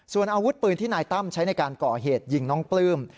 ส่วนอาวุธปืนที่นายตั้มใช้ในการก่อเหตุยิงน้องปลื้ม